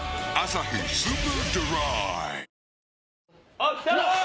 あっ来た！